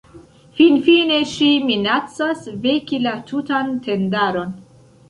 Finfine ŝi minacas veki la tutan tendaron.